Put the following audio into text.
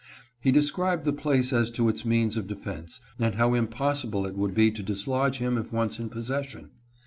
He described the place as to its means of defense, and how impossible it would be to dis lodge him if once in possession.